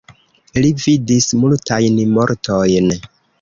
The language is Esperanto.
Li vidis multajn mortojn.